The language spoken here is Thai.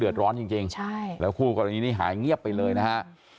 เพราะเดือดร้อนจริงแล้วคู่กรณีนี้หายเงียบไปเลยนะฮะ